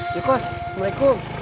yuk kos assalamualaikum